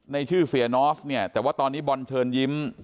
ในชื่อเสียนอสเนี่ยแต่ว่าตอนนี้บอลเชิญยิ้ม